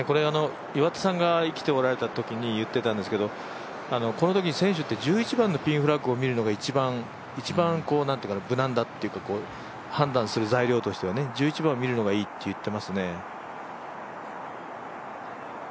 イワタさんが生きておられたときにいっていたんですけどこのとき、選手って１１番のピンフラッグを見るのが一番無難だっていうことを判断する材料としては１１番を見るのがいいって言ってますね。